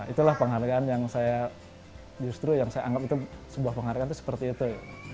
itulah penghargaan yang saya justru yang saya anggap itu sebuah penghargaan itu seperti itu